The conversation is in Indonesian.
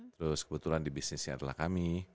terus kebetulan di bisnisnya adalah kami